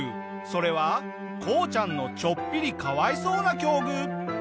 それはこうちゃんのちょっぴりかわいそうな境遇。